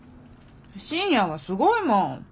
深夜はすごいもん。